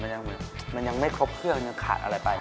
มันยังมันยังไม่ครบเครื่องยังขาดอะไรไป